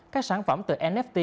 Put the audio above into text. các sản phẩm từ nft